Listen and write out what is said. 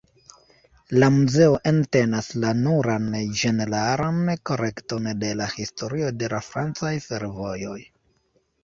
La muzeo entenas la nuran ĝeneralan kolekton de la historio de la francaj fervojoj.